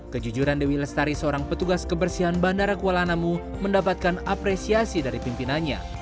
kejujuran dewi lestari seorang petugas kebersihan bandara kuala namu mendapatkan apresiasi dari pimpinannya